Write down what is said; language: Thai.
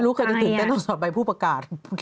ไม่รู้คือตื่นเต้นต้องสอบใบผู้ประกาศ